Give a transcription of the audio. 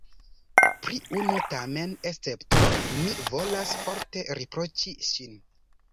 Pri unu tamen escepto mi volas forte riproĉi ŝin.